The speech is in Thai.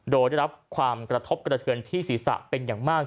โดยได้รับความกระทบกระเทือนที่ศีรษะเป็นอย่างมาก